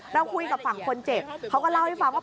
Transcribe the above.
เราคุยกับฝั่งคนเจ็บเขาก็เล่าให้ฟังว่า